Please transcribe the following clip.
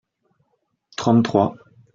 trente trois.